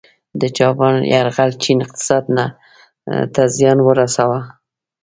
د جاپان یرغل چین اقتصاد ته زیان ورساوه.